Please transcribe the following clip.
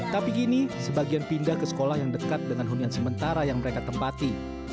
tapi kini sebagian pindah ke sekolah yang dekat dengan hunian sementara yang mereka tempati